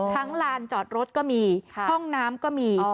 อ๋อทั้งลานจอดรถก็มีค่ะห้องน้ำก็มีอ๋อ